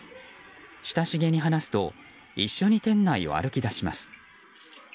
親しげに話すと一緒に店内を歩き出します。